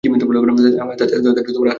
তাদের আর্থিক অবস্থা করুণ।